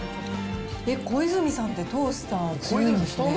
えっ、コイズミさんってトースター、強いんですね。